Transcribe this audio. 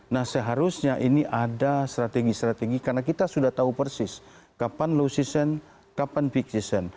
nah seharusnya ini ada strategi strategi karena kita sudah tahu persis kapan low season kapan peak season